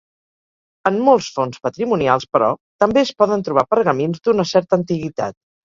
En molts fons patrimonials, però, també es poden trobar pergamins d'una certa antiguitat.